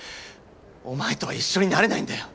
お前とは一緒になれないんだよ。